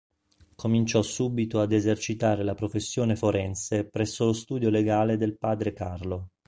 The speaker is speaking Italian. Cominciò subito ad esercitare la professione forense presso lo studio legale del padre Carlo.